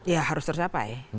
ya harus tercapai